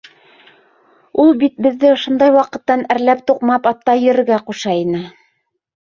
Ул бит беҙҙе ошондай ваҡыттан әрләп-туҡмап атта йөрөргә ҡуша ине!